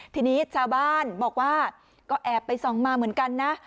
ทีนี้ชาวบ้านบอกว่าก็แอบไปส่องมาเหมือนกันนะ